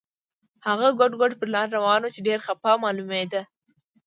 هغه ګوډ ګوډ پر لار روان و چې ډېر خپه معلومېده.